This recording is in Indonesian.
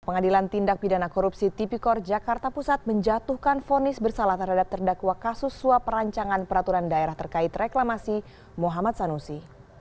pengadilan tindak pidana korupsi tipikor jakarta pusat menjatuhkan fonis bersalah terhadap terdakwa kasus suap perancangan peraturan daerah terkait reklamasi muhammad sanusi